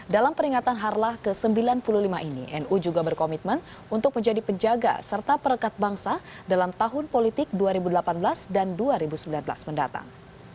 dalam peringatan harlah ke sembilan puluh lima ini nu juga berkomitmen untuk menjadi penjaga serta perekat bangsa dalam tahun politik dua ribu delapan belas dan dua ribu sembilan belas mendatang